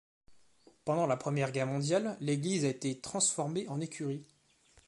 Pendant la Première Guerre mondiale, l'église a été transformée en écurie.